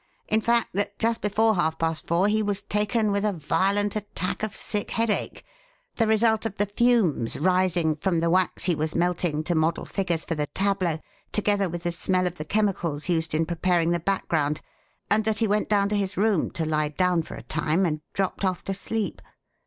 In fact, that just before half past four he was taken with a violent attack of sick headache, the result of the fumes rising from the wax he was melting to model figures for the tableau, together with the smell of the chemicals used in preparing the background, and that he went down to his room to lie down for a time and dropped off to sleep.